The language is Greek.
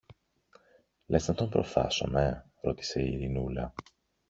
Λες να τον προφθάσομε; ρώτησε η Ειρηνούλα.